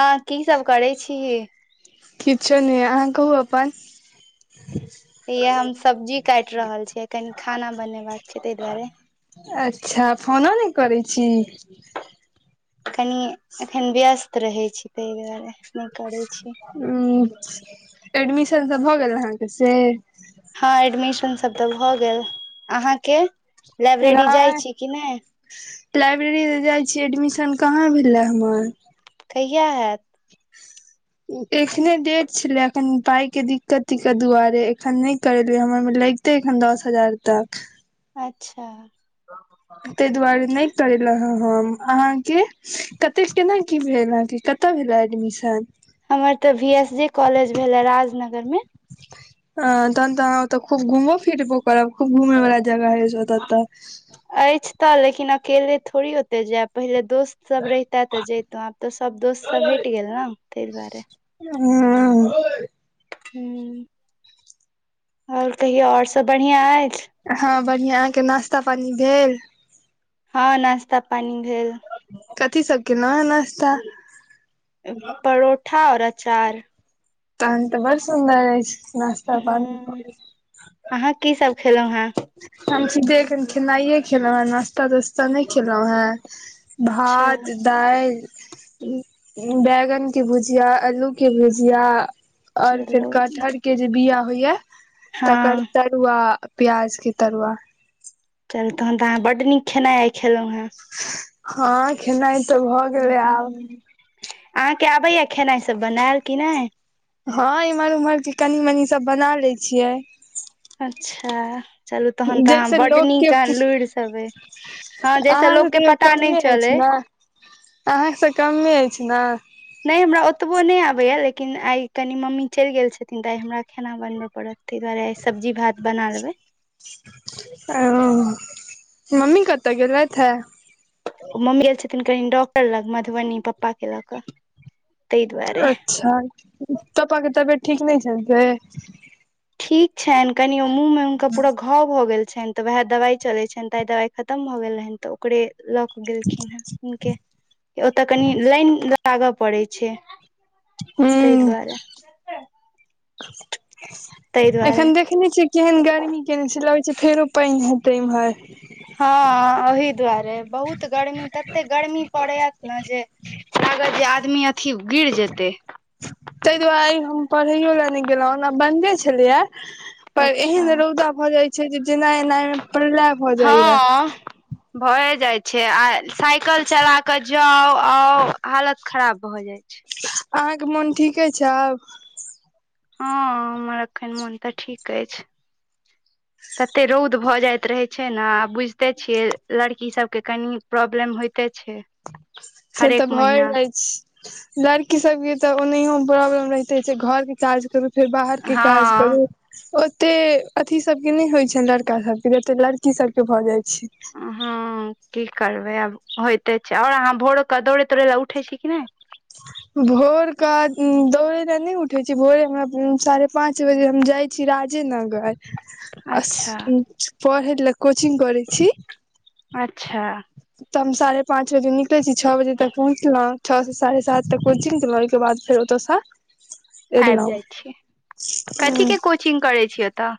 आ की सब करै छी किछो नहि अहाँ कहू अपन इह हम सब्जी काटि रहल छियै कनि खाना बनेबाका छै ताहि दुआरे अच्छा फोनो नहि करैत छी कनि एखन व्यस्त रहैत छी ताहि दुआरे नहि करैत छी उ एडमिशन त भऽ गेल अहाँके से हँ एडमिशन सब तऽ भऽ गेल अहाँके लाइब्रेरी जाइ नहि छी कि नै लाइब्रेरी त जाइ छी एडमिशन कहाँ भेलै हमर कहिया हयैत एखने डेट छले एखन पाय के दिक्कतिककत दुआरे एखन नहि करेले हमर मे लग तै एखन दस हजार तक अच्छा ताहि दुआरे नहि करेल हम अहाँके कते केना की भेल अहाँकेँ कतय भेले एडमिशन हमर त भी एस जी कॉलेज भेले राजनगर मे [inaudible] अ तहन तऽ अहाँ ओतऽ खूब घुमबो फिरबो करब खूब घूमेय वला जगह हइ छै ओतऽ तऽ अछि तऽ लेकिन अकेले थोड़ी ओते जायब पहिले दोस्त सब रहिते त जयतो आब तो सब दोस्त सब हट गेल ने ताहि दुआरे हुँ ह आओर कहियौ आओर सब बढ़िया अछि हँ बढ़ियां अहाँके नाश्ता पानी भेल हँ नाश्ता पानी भेल कथी सब केलौ है नश्ता परोठा और अचार तहन तऽ बड़ सुन्दर अछि नाश्ता हूँ अहाँ की सब पानी खेलौं हेँ हम सीधे एखन खेनाइए खेलहुँ हें नाास्ता तास्ता नहि खेलौँ हें अच्छा भात दालि बैगन के भुजिया आलू के भुजिया और फेर चलू कठहर के जे बिया होइया तकर हँ तर तरुआ प्याज के तरुआ चल तहन तऽ अहाँ बड न खेनायइ खेलौॅ हेँ हँ खेनाइ तऽ भऽ गेलै आब अहाँके आबैया खेनाइ सब बनायल कि नहि हँ एम्हर उम्हर के कनी मनी सब बना ले छियै अच्छा चलू तहन तऽ अहाँ जैसे बड लोक नीक के लुुरि सभ अय हँ जहिस अहाँ से लोकके तैयो पता कमे नहि अछि चलै ने अहाँ सँ कमे अछि न नहि हमरा ओतबो नहि आबैए लेकिन आइ कनी मम्मी चलि गेल छथिन तऽ आइ हमरा खाना बनबय पड़त ताहि दुआरे सब्जी भात बना लेबै ओ मम्मी कतऽ गेलेथ हे ओ मम्मी गेल छथिन कनि डॉक्टर लग मधुबनी पप्पा के लऽ कऽ ताहि दुआरे अच्छा पपा के तबियत ठीक नहि छनि से ठीक छनि कनि ओ मुँह में हुनका पूरा घाव भऽ गेल छनि तऽ वएह दवाइ चलैत छनि ताइ दवाइ खतम भऽ गेल रहेन तऽ ओकरे ल क गेलखिन है हुनके ओतअ कनी लाइन लागऽ पड़ै छै ताहि हूँ दुआरे ताहि दुआरे एखन देख कने छै केहन गर्मी केने छै लगै छै फेरो पानि हेतै इम्हर हँ ओहिी दुआरे बहुत गर्मी तते गर्मी पड़ेया ना जे अगल जे आदमी अथी गिर जेतै ताहि दुआरे हम पढ़ैओ लेलए नहि गेलहुँ ओना बने छलैया पर अच्छा एहन रौदा भऽ जाय छै जे जेनाय एनाय मे प्रलय भऽ जाया हँ भए जाय छै आ साइकल चला के जाउ आउ हालत खराब भऽ जाय छै अहाँके मोन ठीके अछि आब हँ हमर एखन मोन तऽ ठीक अछि [inaudible] तते रौद भऽ जाइत रहे छै ने आ बुझते छिये लड़की सब के कनि प्रॉब्लम होते छै से तऽ हरेक भय महीना जाइ छै लड़की सबके तऽ ओनहियो प्रॉब्लम रहिते छै घरके काज करू फेर बाहर के काज हँ करू ओते अथी सभके नहि होइत छ लड़का सभके जते लड़की सभके भऽ जाइत छै हँ की करबै आब होयइते छै आओर अहाँ भोर क दौड़े तौड़े लए उठे छी कि नहि भोर क दौड़े ल नहि उठे छी भोरे मे साढ़े पाच बजे हम जाइ छी राजेनगर आ अच्छा पढ़ैे लै कोचिंग करै छी अच्छा तऽ हम साढ़े पाँच बजे निकलै छी छओ बजे तक पहुँचलहुँं छओ से साढ़े सात तक कोचिंग केलहुँ ओहिके बाद फेर ओतयसँ आबि एललहुँ जाइ छी कथी के ह कोचिंग करै छिय ओतऽ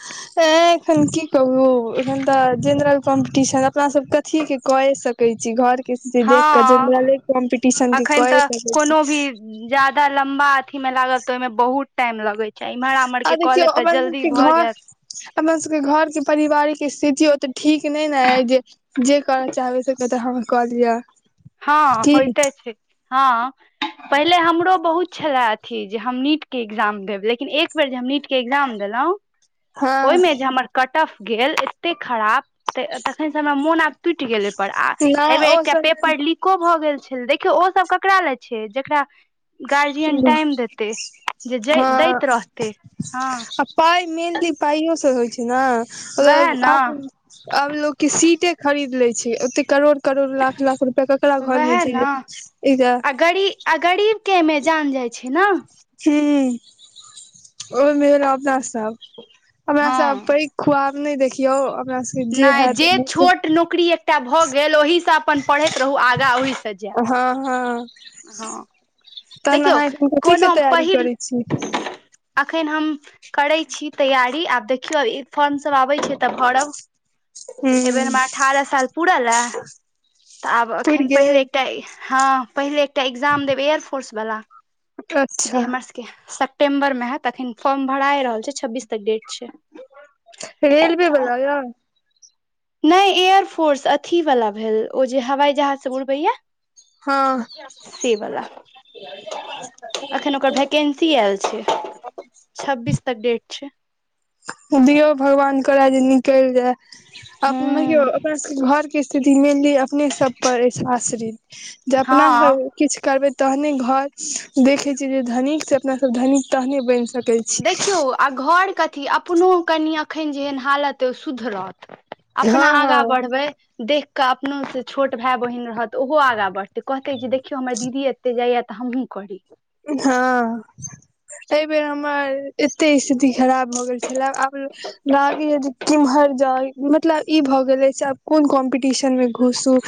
[inaudible] ए एखन की कहु एखन तऽ जेनरल कॉम्पीटीशन अपना सब कथी के कय सके छी घर के स्तिथि देख कऽ हँ जेनरले कम्पीटिशन के कये सकै छी जदा लंबा अथी में लागब त ओहि में बहुत टाइम लगे चाह इम्हरा उमहर के कऽ लेब तऽ जल्दी भऽ जायत हमना सबके घर के पारिवारिक स्थिति ओते ठीक नहि ने जे जे करय चाहबै से कतय हम कऽ लिअ हँ की होयते छै हँ पहिले हमरो बहुत छले अथी जे हम नीट के एग्जाम देब लेकिन एक बेर जे हम नीट के एग्जाम देलो ओहि हँ मे जे हमर कटऑफ गेल एतेक खराब तऽ तखन से हमरा मोन आब टूटि गेलै पर आ एहि नहि बेेर ओ एकटा सब पेप लीको भऽ गेल छल देखियौ ओ सब ककरा ल छै जकरा गार्जियन टाइम देतै जे दैत रहतै हँ पइ मेलली पइो से होइ छै ना वएह ने आब लोक के सीटे खरीद ले छै ओते करोड़ करोड़ लाख लाख रुपआ ककरा घर में छै एकज गरी आ गरीब के अइए में जान जाइ छै ने ह ओय मे एलो अपना सब अपना हँ सब पइ खुआब नहि देखियौ अपना सबके नहि हैत जे छोट नौकरी एकटा भऽ गेल ओहि से अपन पढ़ैत रहू आगाँ ओहि से जायब हँ हँ हँ तहन देखियौ अहाँ एखन कथी कोनो के तैयारी पहिल करै छी अखन हम करै छी तैयारी आब देखियौ ई फॉर्म सब आबै छै तऽ भरब हूं एहि बेेर हमरा अठारह साल पूराल रहए तऽ आब पुरि एखन पहिले गेल एकटा हँ पहिले एकटा एग्जाम देब एयरफोर्स वाला जे अच्छा हमरा सब सेप्टेम्बर मे हैत आखन फॉर्म भरा रहल छै छब्बीस तक डेट छै रेेलवे बला य नहि एयर फोर्स अथी वाला भेल ओ जे हवाई जहाज सब जे उड़बैया हँ से वाला [unintelligible] अथी एल छै छब्बीस तक डेट छै दियौ भगवान करए जे निकलि जाय ओनाहियो हूँ अपना सब घर के स्थिति मेनली अपने सब पर अछि आश्रित जे अपना सब हँ किछु करबे तहने घर देखे छी जे धनिक से अपना सब धन तहने बनि सकै छै देखियौ आ घर के अथी अपनो कनि एखन जेहन हालत अइ ओ सुधरत अपना हँ आगाँ हँ बढ़बै देख कऽ अपनो से छोट भाय बहिन रहत ओहो आगा बढ़तै कहते जे देख देखियओ हमर दीदी एते जाइएा तऽ हमहु करी हँ एहि बेेर हमर एते स्थिति खराब भऽ गेल छल आब लागैया जे केम्हर जाऊ मतलब ई भऽ गेले जे आब कोन कॉम्पीटिशन मे घुसू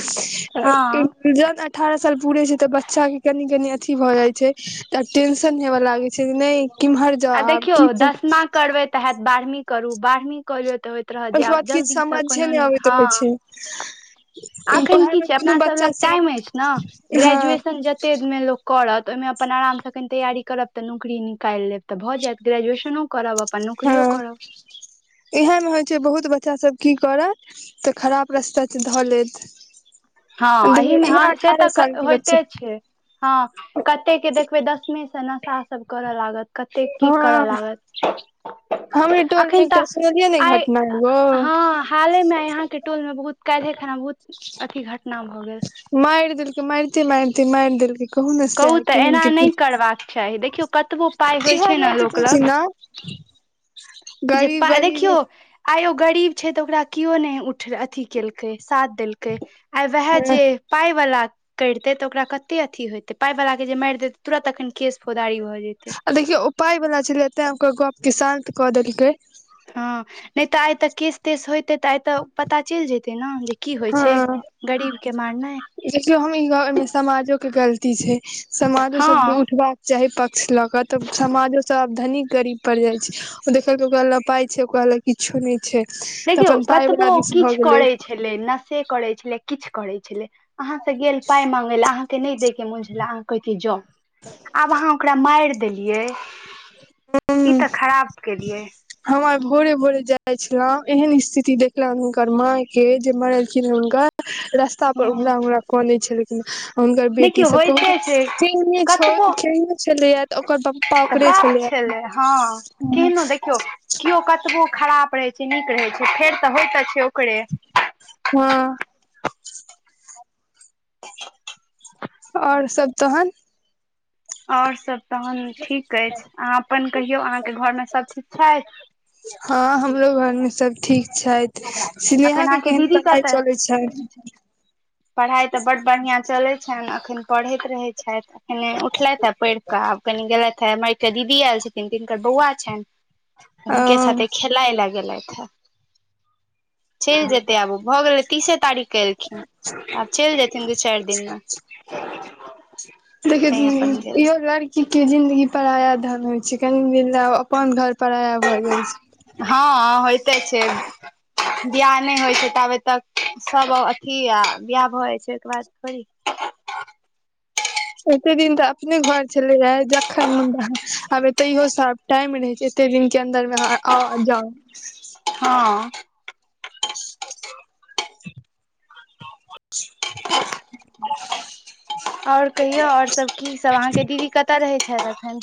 हँ जन अठारह साल पूरे छै तऽ बच्चा के कनि कनि अथि भए जाय छै तऽ टेंशन हेवा लागे छै नहि किम्हर आ देखियौ दसमा करबे तऽ हयत बारहवीं करू बारहवीं करलियौ तऽ हो रह ओहिके बाद जायब किछु जल्दी से समझे कोनो नहि अबैत हँ [inaudible] एखन उएह की मे छै कोनो अपना सभ बच्चा लग सब टाइम अछि ने हँ ग्रेजुएशन जत दिन मे लोक करत ओहि मे अपन आराम से कनी तैयारी करब तऽ नौकरी निकालि लेब तऽ भऽ जायत ग्रेजुएशनों करब अपन नौकरियो हँ करब एहेन होइ छै बहुत बच्चा सब की करत तऽ खराब रास्ता त धऽ लेत हँ देखियौ एहिहमे ह इएह से अठारह तऽ साल के बच्चे होइते छै हँ कते के देखबे दसमी से नशा सब करऽ लागत कतेक की करय लागत हम इ टोल मे अखन एकटा तऽ सुनलियै ने आइ घटना एगो हँ हाले में यहा के टोल में बहुत काल्हि ए खना बहुत अथी घटना भऽ गेल मैर देलकै मैरते मैरत्ते मैर देलकै कहु ने से कहू स के तऽ एना कि नहि करबाक चाही देखियौ कतबो पाइ होइ इहे छै ने द्वारे तऽ लोक कहै छी न [unintelligible] जेपा देखियौ आइ ओ गरीब छै तऽ ओकरा केयो नहि उठ अथी केलकै साथ देलकै आ वएह जे पाय वाला करितै तऽ ओकरा कते अथी होेइतै पाइ वला के जे मारि देतै तुरत एखन केश फौदारीऽ भ जेइतै अ देखियौ उ पाय बला छलै तेँ गपके शान्त कऽ देलकै हँ नहि तऽ आइ तऽ केश तेस होयते तऽ आइ तऽ पता चलि जते ने जे की होइ छै हँ गरीब के मारनाइ देखियौ हम ई गमे समाजो के गलती छै समाजो सब के हँ उठबाक चाहे पक्ष ल क तब समाजो सब चाहे पक्ष ल क त समाजो त आाव धनी गरीब पड़ जाइ छै ओ देखल के ओकरा ल पाय छै ओकरा ल किछु नहि छै तऽ देखियौ अपन पाइ कतबो वला दिस भऽ किछु गेलै करै छै छलै नसे करै छलै किछु करै छलै अहाँ से गेल पाय मांगे लए अहाँ के नहि देक् मुझ्ला अहाँ कहै छी जोउ आब अहाँ ओकरा मारि देलियै ई हूँ, तऽ खराब केलियै हम आइ भोरे भोरे जाय छलहुँ एहन स्थिति देखलनि हुनकर मायेँ के जे मरलखिन हुनकर रस्ता पर हँ उ्ड़रा उ्ड़रा कने छलै हुनकर देखियौ बेटीसभ कहू होइते छै केहने छ कतबो केहने छलैय त ओकर पप्पा ओकरे बाप छलैया छलै हँ केहन देखियौ केओ कतबो खराब रहै छै नीक रहै छै फेर तऽ होइ त छै ओकरे हँ [unintelligible] आओर सब तहन आओर सब तहन ठीक अछि अहाँ अपन कहियौ अहाँके घरमे सभ ठीक छथि हँ हमरो घरमे सब ठीक छैथ सिनेहा अखन के अहाँके केहन दीदी पड़ाइ चलै छै पढ़ाई तऽ बड बढ़िया चलैत छनि अखन पढ़ैत रहे छथि एखने उठलथि आ पैढ़ क आब कनी गेलैथ हे हमर कटा दीदी आयल छथिन तिनकर बौआ छनि हुनके ओ साथे खेलाय ल गेलथि हन चलि जेतै आबू भऽ गेलै तीसे तारीखके एलखिन आब चलि जेथिन दू चारि दिनमे देखि तैँ अपन गेल इहो लड़ की के जिन्दगी पराया धन होइ छै कनि द अपन घर पराया भऽ जाइ छै हँ होयइते छै बियाह नहि होइ छै ताबे तक सब अथी आ बियाह भऽ जाइ छै ओहिके बाद थोड़ी एते दिन तऽ अपने घर छलैय जखन मुंड आब ए तैयो सब टाइम रहै छै एते दिन के अन्दर मेअहाँ आउ आ जाउ हँ [unintelligible] [unintelligible] आओर कहियौ आओर सब की सब अहाँके दीदी कतय रहै छथि अखन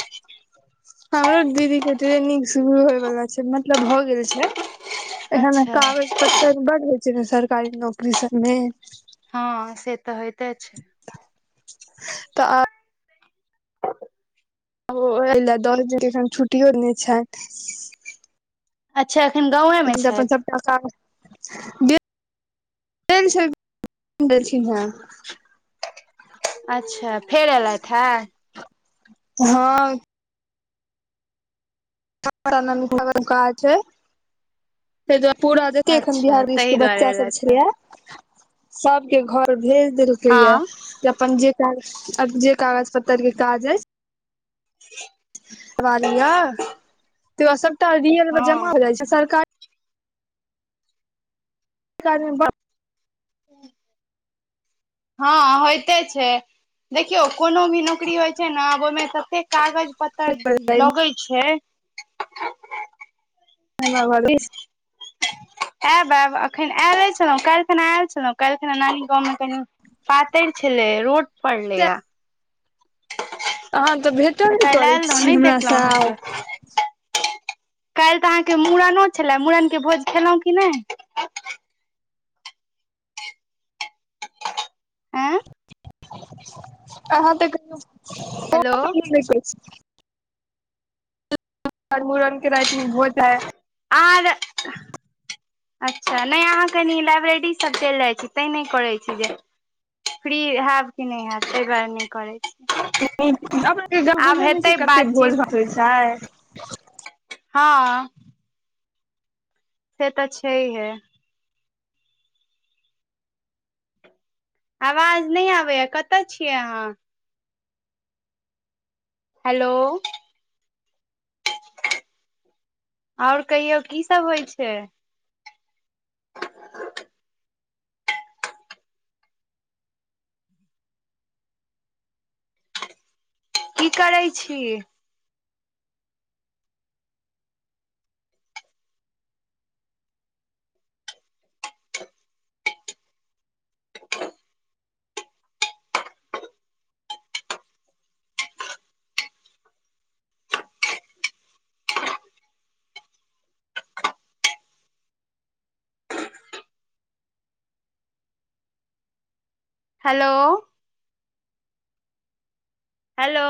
हमरो दीदी के ट्रेनिंग शुरू होयवला छै मतलब भऽ गेल छै एखन अच्छा कागज पत्तर बड होइ छै ने सरकारी नौकरी सबमे हँ से तऽ होइते छै तऽ आब ओ एहि ल दस दिने एखन छुट्टियो नहि छथि अच्छा एखन गांवेमे छथि खिन ह [inaudible] अच्छा फेर एलथि हे हँ क खर कह छै [inaudible] ताहि दुआरे पूरा जते एखन अच्छा बिहार दिश ताहि के दुआरे बच्चा सब एलथि हे छले सबके घर भेज देलकै या हँ जे अपन जे अब जे कागज पत्तर के काज अछि ह [inaudible] करबा लिय तय बाद सबटा रियलमे हँ जमा हो जाइ छै सरकार सरकारमे बड्ड हँ होयते छै देखियौ कोनो भी नौकरी होइ छै ने आब ओहिमे तते कागज पत्तर बड़ लगैत छै हँ ब भलस [inaudible] आयब आब एखन आयले छलहुँ काल्हि खना आयल छलहुँ काल्हि खना नानी गाँवमे कनि पातरि छलै रोट पड़लैय अहाँ तऽ भेटब नहि काल्हि करैत आयल रहौँ छीिय नहि हमर देखलहुँ सा आउ अहाँके काल्हि तऽ अहाँके मुूड़नो छलए मुूड़न के भोज खेलहुॅं की नहि आँय अहाँ तऽ कहहियौ हेलो न्ई कुछ तहन मुड़नके रातिमे भोज हायत आर अच्छा नहि अहाँ कनि लाइब्रेरीसभ चलि जाइत छी तैं नहि करैत छी जे फ्री हयब कि नहि हयब तहि दुआरे नहि करैत छी अपना सबकें आब बुझैत नहि छै हेतै कते भोज भात होइत छै हाँ से तऽ छैहे आवाज नहि आबै या कतऽ छियै अहाँ हेलो आओर कहियौ की सब होइ छै की करै छी हेलो हेलो